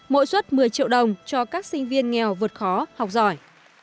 mỗi suất một mươi triệu đồng cho các sinh viên nghèo vượt khó học giỏi